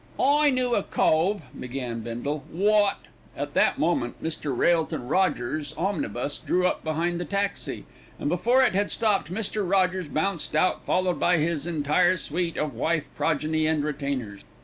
"I knew a cove," began Bindle, "wot " At that moment Mr. Railton Rogers's omnibus drew up behind the taxi, and before it had stopped Mr. Rogers bounced out, followed by his entire suite of wife, progeny, and retainers.